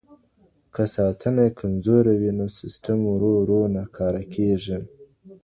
که ساتنه کمزوري وي نو سیسټم ورو ورو ناکاره کېږي.